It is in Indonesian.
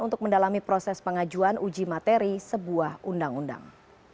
untuk mendalami proses pengajuan uji materi sebuah undang undang